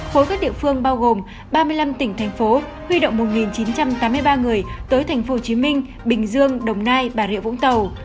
khối các địa phương bao gồm ba mươi năm tỉnh thành phố huy động một chín trăm tám mươi ba người tới tp hcm bình dương đồng nai bà rịa vũng tàu